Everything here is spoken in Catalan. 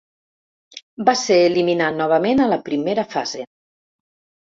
Va ser eliminat novament a la primera fase.